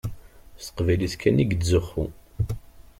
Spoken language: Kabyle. S teqbaylit kan i yettzuxxu.